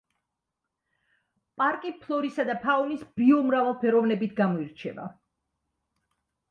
პარკი ფლორისა და ფაუნის ბიომრავალფეროვნებით გამოირჩევა.